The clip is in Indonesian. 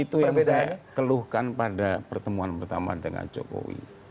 itu yang saya keluhkan pada pertemuan pertama dengan jokowi